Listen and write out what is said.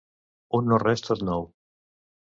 Un no res tot nou.